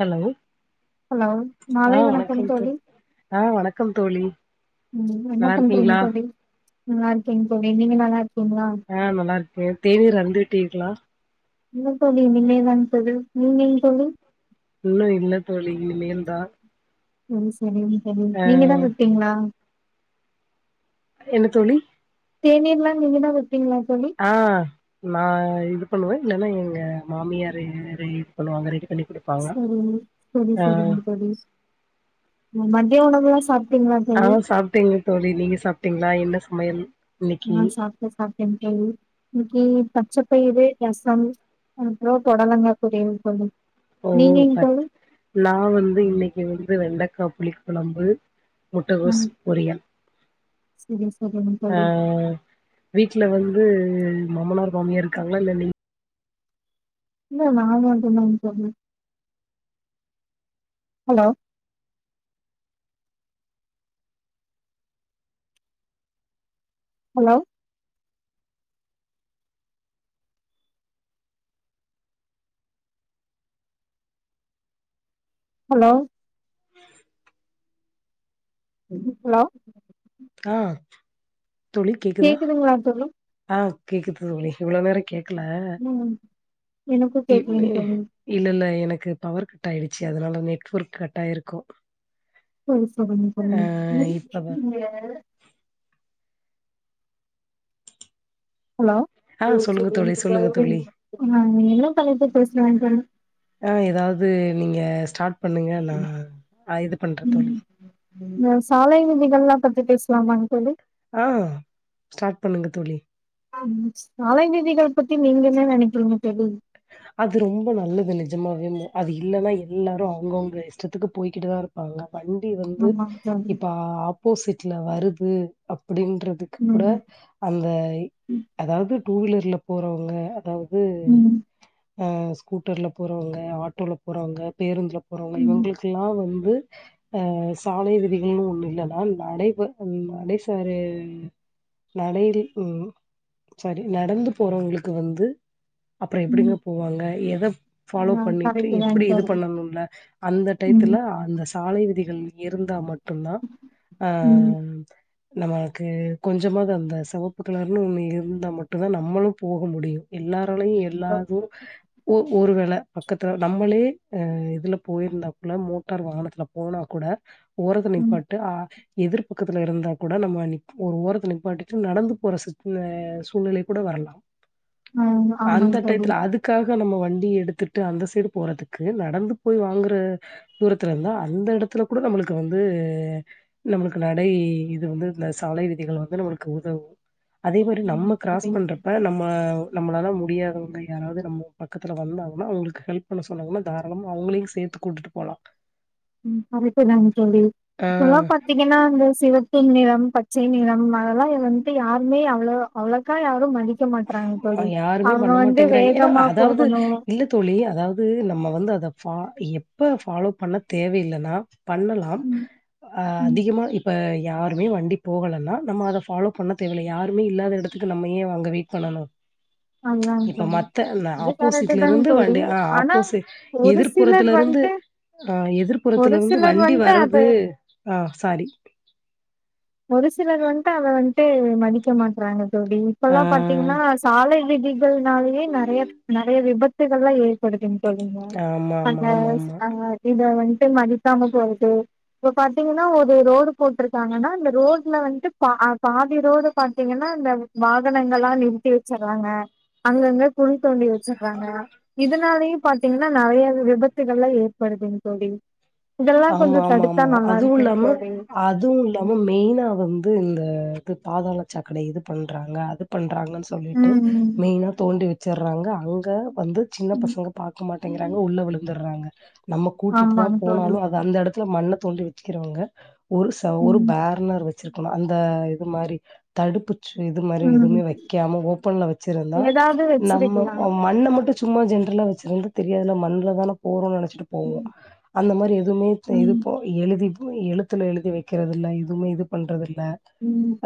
Hello hello மாலை ஆ வணக்கம் தோ தோழி ஆ வணக்கம் தோழி ம் என்ன நல்லா பண்றீங்க இருக்கீங்களா தோழி நல்லா இருக்கேங்க தோழி நீங்க நல்லா இருக்கீங்களா ஆ நல்லா இருக்கே தேநீர் அருந்து விட்டீர்களா இல்ல தோழி இனிமேல் தாங் தோழி நீங்கள் தோழி இன்னு இல்ல தோழி இனிமேல்தா செரி செரி செரிங்க தோழி நீங்கதா கூப்டிங்ளா என்ன தோழி தேநீர்ல்லா நீங்க தா வப்பீங்களா தோழி ஆ நா இது பண்ணுவே இல்லைன்னா எங்க மாமியாரு இது பண்ணுவாங்க ரெடி பண்ணி குடுப் சேரி சேரி சேரிங்க தோழி மதிய உணவுல சாப் ஆ சாப்டேங்க தோழி நீங்க சாப்டீங்களா என சமயல் ஆ சாப்ட்டே சாப்ட்டேங் தோழி இன்னைக்கு பச்சைப்பயிரு ரசம் அப்றோ போடலங்க பொரியல் தோழி ஓ நீங்கங் பட் தோழி நா வந்து இன்னைக்கு வந்து வெண்டைக்கா புளி கெழம்பு ஆ முட்டகோஸ் பொரியல் சரி சரிங்க ஆ தோழி வீட்டுல வந்து மாமனார் மாமியார் இருக்காங்களா இல்ல நீ இல்ல நா மட்டு தா தோழி ஹலோ ஹலோ ஹலோ ஹலோ ஆ தோழி கேக்குதா கேக்குதுங்களா தோழி ஆ கேக்குது தோழி இவ்ளோ நேரோ கேக் கல ம் எனக்கு இப் கேக்குதுங்க தோழி இல்ல இல்ல எனக்கு பவர் கட் ஆயிடுச்சு அதுனால நெட்ஒர்க் கட்டாயிருக்கு சேரி சேரிங்க தோழி இப்பதா ஹலோ ஆ சொல்லுங்க தோழி சொல்லுங்க தோழி ஆ என தலைப்பு பேசுலாங்க ஆ ஏதாது நீங்க ஸ்டார்ட் பண்ணுங்க நா இது பண்ற தோழி சாலை விதிகள் எல்லா பத்தி பேசலாமாங்க தோழி ஆ ஸ்டார்ட் பண்ணுங்க தோழி ஆம் சாலை விதிகள் பத்தி நீங்க என நெனைக்கிறீங்க தோழி அது ரொம்ப நல்லது நெஜமாவே அது இல்லன்னா எல்லாரு அவுங்கவுங்க இஷ்டத்துக்கு போய்கிட்டுதா இருப்பாங்க வண்டி வந்து ஆமாங் தோழி இப்ப ஆப்போசிட்ல வருது அப்டின்றது கூட ம் அந்த அதாவது டூ வீலர்ல போறவங்க அதாவது ம் அ ஸ்கூட்டர்ல போறவங்க ஆட்டோல போறவங்க பேருந்துல போறவங்க ம் இவங்களுக்கெல்லா வந்து அ சாலை விதிகள்னு ஒண்ணு இல்லன்னா நடைப நடைசாறு நடை அடி ம் சாரி நடந்து போறவங்களுக்கு வந்து அப்றோ ம் எப்டிங்க போவாங்க எத ஃபாலோ ஆ பண்ணிட்டு கரெக்ட்டு தாங் எப்டி இது தோழி பண்ணணும்ல அந்த ம் டயத்துல அந்த சாலை விதிகள் இருந்தா மட்டும்தா ஆ ம் நம்மளுக்கு கொஞ்சமாது அந்த சிவப்பு கிலர்னு ஒன்னு இருந்தா மட்டு தா நம்மளு போக முடியு எல்லாரலையு எல்லாது ஒ ஒருவேள பக்கத்துல நம்மளே அ இதுல போயிருந்தா கூள்ள மோட்டார் வாகனத்துல போனா கூட ஓறத்ல ம் நிப்பாட்டு ஆ எதிர்ப்பக்கத்துல இருந்தா கூட நம்ம ஒரு ஓரத்ல நிப்பாடிட்டு நடந்து போற சுட்டுவே சூழ்நிலை கூட வரலா ஆ ஆமாங்க தோழி அதுக்காக நம்ம வண்டி எடுத்துட்டு அந்த சைடு போறதுக்கு நடந்து போய் வாங்குற தூரத்துல இருந்தா அந்த இடத்துல கூட நம்மளுக்கு வந்து நம்மளுக்கு நடை இது வந்து இந்த சாலை விதிகள் வந்து நம்மளுக்கு உதவு அதே மாரி நம்ம ஆமாங் தோழி கிராஸ் பண்றப்ப நம்ம நம்மளாலா முடியாதவங் அங்க யாராவது நம்ம பக்கத்துல வந்தாங்கன்னா அவங்களுக்கு ஹெல்ப் பண்ண சொன்னாங்கன்னா தாரலமா அவங்களையும் சேத்து கூட்டிட்டு போலா ம் கரெக்ட் தாங் தோழி இப்டில்லா பண்ணிட் ஏன்னா அந்த சிவத்தை நிறம் பச்சை நிறம் அதெல்லா வந்ததுட்டு யாருமே அவ்லோ அவ்ளோக்கா யாரும் மடி நிக்க மாட்டறாங்க ஆ தோழி யாருமே அவங்க பண்ண வந்து மாட்டேங்கிறாங்க. ஏன்னா வேகமா அதாவது போகணு இல்ல தோழி அதாவது நம்ம வந்து அத ஃபா எப்ப ஃபாலோ பண்ண தேவையில்லைன்னா பண்ணலாம் ம் ம் அதிகமா இ இப்போ யாருமே வண்டி போகலனா நம்ம அத ஃபாலோ பண்ண தேவ இல யாருமே இல்லாத எடத்துக்கு நம்ம ஏ அங்க வெயிட் பண்ணனு ஆ இப்ப மத்த இந்த ஆப்போசிட்ல இருந்து தோழி வண்டி ஆ ஆனா ஆப்போசிட் ஒரு சிலர் எதிர்ப்புறத்துல இருந்து வந்ட்டு அ ஒரு எதிர்ப்புறத்துல வந்து சிலர் வண்டி வந்ட்டு அத வர்றது ஆ சாரி ஒரு சிலர் வந்ட்டு அத வந்ட்டு மதிக்க மாட்டறாங்க தோழி ஆ இப்பல்லா பாத்தீங்கன்னா சாலை விதிகள்னாலயே நெறைய நெறைய விபத்துகள்லா ஏ கொடுகுங் சொல்லுங்க ஆமா, ஆமா, அந்த ஆமா, ஆமா. [unintelligible] இத வன்ட்டு மதிக்காம போயிட்டு இப்ப பாத்தீங்கன்னா ஒரு ரோடு போட்டிருக்காங்கன்னா இந்த ரோட்ல வன்ட்டு பா பாதி ரோடு பாத்தீங்கன்னா அந்த வாகனங்கள்ல்லா நிறுத்தி வச்சறாங்க அங்கங்க குழி தோண்டி வச்சுருபாங்க இதனாலயையு பாத் பத்தீங்கன்னா நெறைய விபத்துகள்ல்லா ஏற்படுதுங்க தோழி இதெல்லா கொஞ்சோ தடுத்தா நல்லா இருக்குங் தோழி அதுவு இல்லாம மெயினா வந்து இந்த இது பாதாள சாக்கடை இது பண்ணுறாங்க அது பண்ணுறாங்கன்னு சொல் சொல்லிட்டு ம் மெயினா தோண்டி வச்சறாங்க அங்க வந்து சின்ன பசங்க பாக்க மாட்டேங்கிறாங்க உள்ள விழுந்துடுறாங்க நம்ம கூட்டிட்டு தா ஆமாங்க தோழி போனாலும் அ அந்த இடத்துல மண்ண தோண்டி வக்கிறவங்க ஒரு ச ஒரு ம் பேர்னர் வச் விருக்கணு அந்த இது மாரி தடுப்பு இது மாரி ம் எதுவுமே வைக்காம ஓபன்ல வச்சிருந்தா ஏதாவது நம்ம வச்சிருக்கலா மண்ண மட்டு சும்மா ஜென்ரலா வச்சிருந்து தெரியாதுல மண்ணல தான போறோனு நெனைச்சிட்டு போவோம் ம் அந்த மாரி எதுமே இது ம் போ எழுதி போ எழுத்துல எழுதி வைக்கறத இல்ல எதுமே இது பண்றது இல்ல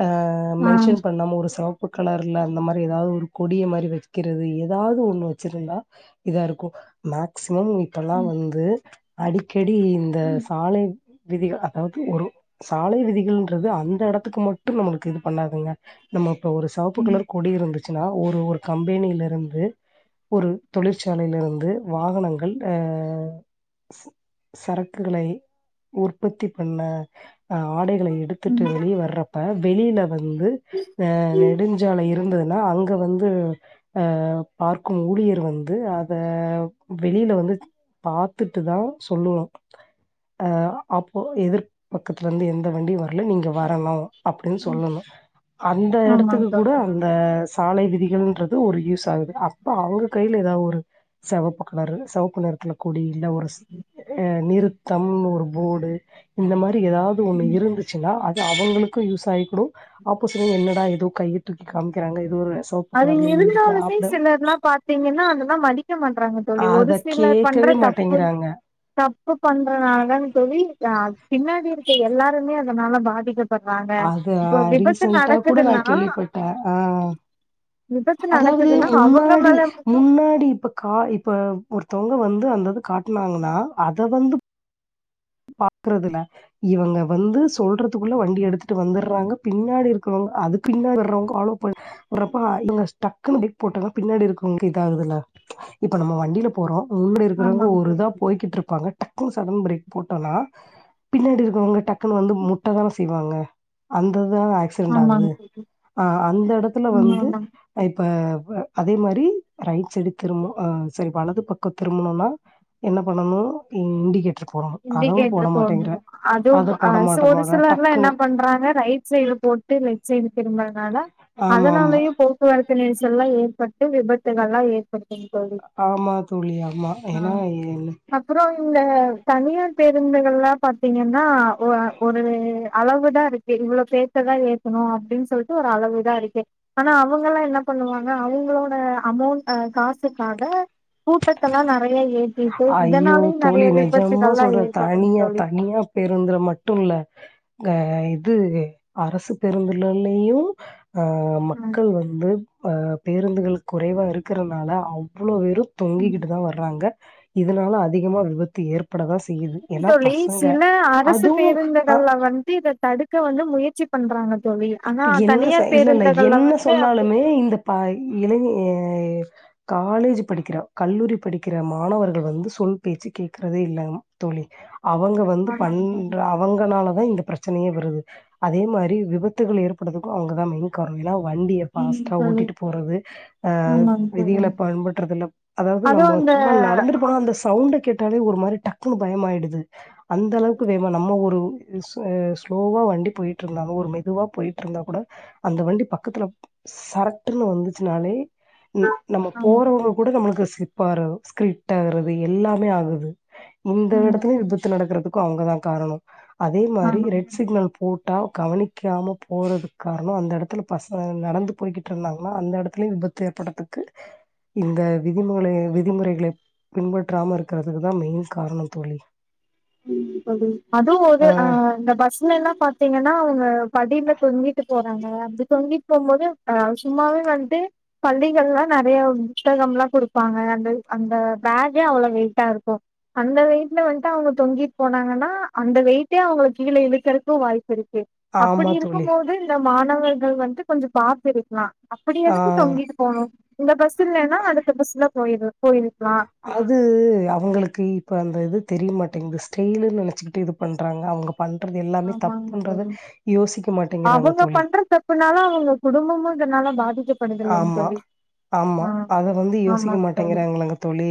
ஆ ஆ மென்ஷன் பண்ணாம ஒரு சவ் உப்பு கலர்ல அந்த மாரி ஏதாவது ஒரு கொடிய மாரி வைக்கிறது ஏதாவது ஒண்ணு வச்சிருந்தா இதா இருக்கு மேக்சிமம் இப்பல்லா ம் வந்து அடிக்கடி இந்த ம் சாலை விதிகள் அதாவது ஒரு சாலை விதிகள்ன்றது அந்த எடத்துக்கு மட்டும் நம்மளுக்கு இது பண்ணாதுங்க நம்ம இப்போ ஒரு சாப்பு கலர் கொடி இருந்துச்சுன்னா ஒரு ஒரு கம்பெனிலருந்து ஒரு தொழிற்சாலையிலிருந்து வாகனங்கள் ஆ சரக்குகளை உற்பத்தி பண்ண ஆடைகளை எடுத்துட்டு ம் வெளியே வர்ற அப்ப வெளியில வந்து அ நெடுஞ்சாலை இருந்ததுன்னா அங்க வந்து அ பார்க்கும் ஊழியர் வந்து அத வெளியில வந்து பாத்துட்டு தா சொல்லுவோ அ அப்போ எதிர்பக்கத்துலருந்து எந்த வண்டியு வரல நீங்க வரலா அப்டின்னு சொல்லணு அந்த ஆமாங் எடத்துக்கு கூட தோழி அந் அ சாலை விதிகள்ன்றது ஒரு யூஸ் ஆகுது அப்ப அவங்க கையில ஏதாவது ஒரு செவப்பு கலரு செவப்பு நெரத்துல கொடி இல்ல ஒரு ஸ் எ நிறுத்தம்னு ஒரு போடு இந்த மாரி ஏதாது ஒண்ணு ம். இருந்துச்சுன்னா அது அவங்களுக்கு யூஸ் ஆகிக்கடு ஆப்போஸ்லயு என்னடா ஏதோ கைய்ய தூக்கி காமிக்கிறாங்க ஏதோ ஒரு சோப் அது இருந்தாலுமே சிலர்ல்லா பாத்தீங்கன்னா அதெல்லா மதிக்க மாட்றாங்க தோழி ஒரு அத சிலர் பண்ற கேட்கவே தப்பு மாட்டேங்கிறாங்க தப்பு பண்றனால தா தோழி அ பின்னாடி இருக்குற எல்லாருமே அதனால பாதிக்க பட்றாங்க அது இப்ப விபத்து நடக்குதுன்னா அ ஆ விபத்து அதாவது நடக்குதுன்னா அவங்க முன்னாடி மேல மட்டு முன்னாடி இப்ப கா இப்ப ஒர்த்வ்ங்க வந்து அந்தது காட்னாங்கன்னா அத வந்து பாக்றதுல இவங்க வந்து சொல்றதுக்குள்ள வண்டி எடுத்துட்டு வந்துர்றாங்க பின்னாடி இருக்கறவங்க அது பின்னாடி வர்றவங்க ஃபாலோ பண்ணி வர்றபப இவுங்க ஸ்டக்குன்னு ப்ரேக் போட்டாதா பின்னாடி இருக்கவங்களுக்கு இதா ஆகுதுல்ல இப்ப நம்ம வண்டில போறோ முன்னாடி இருக்கிறவங்க ஆமாங் ஒரு தோழி இதா போயிட்டு இருப்பாங்க டக்குனு சடன் ப்ரேக் போட்டோனா பின்னாடி இருக்கிறவங்க டக்குன்னு வந்து முட்டதான செய்வாங்க அந்ததா ஆக்ஸ் செண்ட் ஆகுது ஆமாங் தோழி ஆ அந்த எடத்துல ம் வந்து ஆமா இப்ப அதே மாரி ரைட் சைடு திரும்ப அ சரி வலது பக்கோ திரும்பணுனா என்ன பண்ணணு இண்டிகேட்டர் போடணு இண்டிகேட்டர் தோணு அதுவு அ போட சோ மாட்ட ஒரு போட சிலர்லா என்ன டக்குன்னு பண்றாங்க ரைட் சைடு போட் டு வச்சுனு திரும்பதுனால ஆமா ஆமா அதனாலயு போ போவரத்து நெரிசல்லா ஏற்பட்டு விபத்துகள் எல்லாம் ஏற்படுது ஆமா தூழி ஆமா ஏன்னா என் அப்றோ இந்த தனியார் பேருந்துகள்லா பாத்தீங்கன்னா அ ஒரு அளவுதான் இருக்கு சேரி இவ்ளோ பேத்த தா ஏக்கணும் அப்டின்னு சொல்ட்டு ஒரு அளவுதான் இருக்கு ஆனா அவங்கல்லா என்ன பண்ணுவாங்க அவங்களோட அமௌண்ட் காசுக்காக கூட்டத்தெல்லா நெறைய ஏத்தி அய்யோ தோழி நெஜம்மா சொல்றே ஏற்படும் தனியா தோழி தனியா பேருந்து மட்டும் இல்ல அ இது அரசு பேருந்துகள்லயும் ஆ ஆ மக்கள் வந்து அ பேருந்துகள் குறைவாக இருக்குறனால அவ்ளோ வெரு ம் தொங்கிக்கிட்டு தா வர்றாங்க இதுனால அதிகமா விபத்து ஏற்படதா செய் ம் தொழி சில அரசு அதுவும் அ பேருந்துகள்ல வந்து இத தடுக்க வந்து முயற்சி பண்றாங்க தோழி ஆனா என்ன ச தனியார் பேருந்துகள்ல வந்து அப்டி பா ய் இளைஞிர் காலேஜ் படிக்கிற கல்லூரி படிக்கிற மாணவர்கள் வந்து சொல் பேச்சு கேக்குறதே இல்ல தோழி அவங்க வந்து ஆமாங்க தோழி பண்றா அவங்கனால தா இந்த ப்ரச்சனையே வருது அதே மாரி விபத் த்துகள் ஏற்படுதுக்கு அவுங்கதா மெயின் காரணோ ஏன்னா வண்டிய ம் ஃபாஸ்டா தோழி ஓட்டிட்டு போறது அ ஆமாங்க தோழி விதிகள பன்பட்டறதுல அதாவ்து அதுவு நம்ம அந்த சும்மா நடந்துட்டு போனா அந்த சவுண்ட கேட் டாலே ஒரு மாரி டக்குன்னு பயமாயிடுது அந்த அளவுக்கு வேமா நம்ம ஒரு ஸசு ஸ்லோவா வண்டி போயிட்டு இருந்தாலு ஒரு மெதுவா போயிட்டுருந்தா கூட அந்த வண்டி பக்கத்துல சரட்ன்னு வந்துச்சுனாலே ம் நம்ம ஆமா போறவங்க கூட நம்மளுக்கு ஸ்லிப் ஆறது ஸ்கிர்ட் ஆகறது எல்லாமே ஆகுது இந்த ஆமா இடத்துல எந்த்ருச் சு நடக்கறதுக்கும் அவங்கதான் காரணோ அதே ஆமா மாதிரி ரெட் சிக்னல் போட்டா கவனிக்காம போ போறதுக்கு காரணோ அந்த இடத்துல பசங்க நடந்து போய்ட்டு இருந்தாங்களா அந்த இடத்துலயும் விபத்து ஏற்படுறதுக்கு இந்த விதிமுளை விதிமுறைகளை பின்பற்றாமருக்ககுறதுதான் மெயின் காரணம் தோழி ம் அதுவு ஒரு ஆ அ இந்த பஸ்ல எல்லா பாத்தீங்கன்னா அவுங்க படில தொங்கிட்டு போறாங்க அப்டி தொங்கிட்டு போபோது அ சும்மாவே வன்ட்டு பள்ளிகள்லா நெறைய புத்தகம்மிலா குடுப்பாங்க அந்த அந்த பேக்கே அவ்ளோ வெயிட்டா இருக்கு அந்த வெயிட்ல வந்துட்டு அங்கப் தொங்கிட் போனாங்கனா அந்த வெயிட்டே அவங்களுக்கு கீழே இழுக்கிறதுக்கு வாய்ப்பு இருக்கு அப்டி ஆமா இருக்கு தோழி போது இந்த மாணவர்கள் வந்து கொஞ்சம் பாத்து இருக்கலா அப்டி ஆ எதுக்கு தொங்கிட்டு போ இந்த பஸ் இல்லனா அதுக்கு பஸ்ல போயிரு போயிருக்லா அது அவங்களுக்கு இப்ப அந்த இது தெரியமாட்டேங்க இந்த ஸ்டேலு நனச்சிக்கிட்டு இது பண்றாங்க அவங்கப் பண்றது எல்லாமே ஆமாங்க தப்புன்றது தோழி யோசிக்க மாட்டேங்கிறாங்க தோழி இப்புனாலு அவங்க குடும்பமும் இதனால பாதிக்கப் படுதுலன் ஆமா தோழி ஆ ஆமா தோழி இல்லங்க தோழி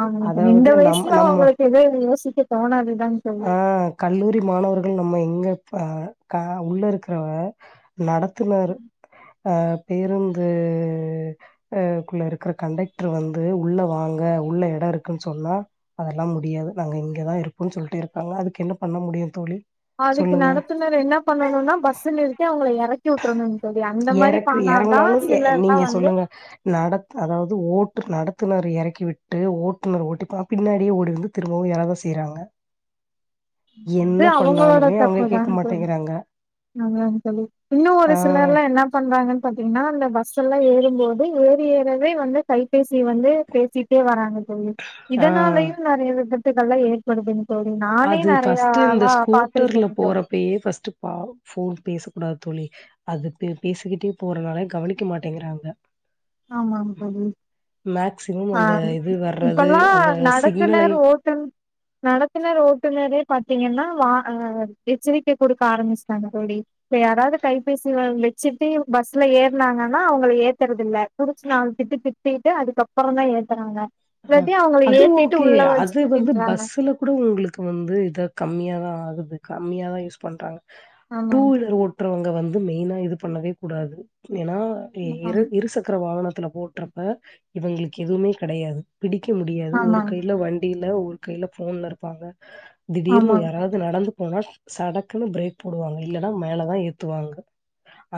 ஆமா இந்த அதாவது நம் வயசுலோ நம்ம அவங்களுக்கு எத யோசிக்க தோணாதுதன் ஆ தோழி கல்லூரி மாணவர்கள் நம்ம எங்க ப கா உள்ள இருக்கிறவ நடத்துனாரு அ பேருந்து அ குள்ள இருக்க கண்டக்டர் வந்து உள்ள வாங்க உள்ள எடோ இருக்கும் சொன்னா அதெல்லா முடியாது நாங்க இங்கதா இருப்போ சொல்ட்டு இருக்காங்க அதுக்கு என்ன பண்ண முடியு தோழி அதுக்கு சொல்லுங்க நடத்துனர் என்ன பண்ணணும்னா பஸ்ச நிறுத்தி அவங்கள இறக்கி உட்ருனு சொல்லி அந்த மாதிரி பா க்கு இறங்குனாலு ய நீங்க சொல்லுங்க நடத் அதாவது ஓட்டு நடத்துனர் இறக்கி விட்டு ஓட்டுனர் ஓட்டிபா பின்னாடியே ஓடி வந்து திரும்பவும் யார தா செய்றாங்க இது என்ன அவங்களோட பண்ணாலுமே அவங்க கேக்க தப்புதான ச மாட்டேங்கிறாங்க அங்கனு சொல்லி இன்னு ஒரு ஆ சிலர்லா என்ன பண்றாங்கன் பாத்தீங்னா அந்த பஸ் எல்லா ஏறும்போது ஏறி ஏறவே வந்து கைபேசி வந்து பேசிட்டே வராங்க தோழி ஆ இதனாலயையு நறைய விபத்துகள்லா ஏற்படுதுங் தோழி நானே து நெறையா ஃபஸ்ட்டு இந்த ஆளா ஸ்கூட்டர்ல பாத்திருக்கேங் தோழி போறப்பயே ஃபஸ்ட்டு பாவ் போன் பேசக் கூடாது தோழி அது பேசிக்கிட்டே போறனால கவனிக்க மாட்டேங்கிறாங்க ஆமாம் தோழி மேக்சிமம் ஆ அந்த இது வர்றது இப்பல்லா அந்த நடக்குனே சிக்னலை ரோட்ன் நடத்துனர் ஓட்டுனரே பாத்தீங்னா வா அ அ எச்சரிக்கை குடுக்க ஆரமிச்சிட்டாங்க தோழி இப்ப யாராவது கைபேசி வ வெச்சிட்டு பஸ்ல ஏறனாங்கன்னா அவங்கள ஏத்துறது தில்ல புடிச்சி நாலு திட்டு திட்டிட்டு அதுக்கப்ரோ தா ஏத்துறாங்க அஹ இல்லாட்டி அவங்கள அது ஏத்திட்டு ஓகே உள்ள அது வச்சுட்டு வந்து திட்டுறாங்க பஸ்ல கூட உங்களுக் து வந்து இத கம்மியா தா ஆகுது கம்மியா தா யூஸ் பண்றாங்க டூ ஆமாங்க வீலர் ஓட் மற்றவங்க வந்து மெயினா இது பண்ணவே கூடாது ஏனா பே இரு இருசக்கர வாகனத்துல போ ற்றுப்ப இவங்களுக்கு எதுவுமே கெடையாது பிடிக்க முடியாது ஒரு ஆமாங்க கையில வண்டில ஒரு கையில போன்ல இருப்பாங்க திடீர்னு ஆமாங்க யாராவது நடந்து போனா சடக்குன்னு பிரேக் போடுவாங்க இல்லன்னா மேலதா ஏத்துவாங்க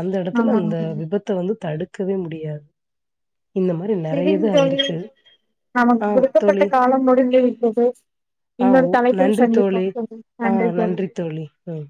அந்த எடத்துல ஆமாங்க அந்த தோழி ஆமாங்க தோழி விபத் த வந்து தடுக்கவே முடியாது இந்த மாரி நறைய இது சரிங்க தோழி ஆயிருக்கு நமக்கு ஆ குடுக்கப்பட்ட தோழி. காலம் முடிந்து விட்டது ஆ ஓ நன்றி தோழி ஆ நன்றி தோழி ம்